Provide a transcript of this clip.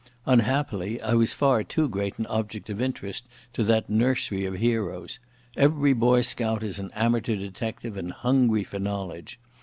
Unhappily I was far too great an object of interest to that nursery of heroes. Every boy scout is an amateur detective and hungry for knowledge.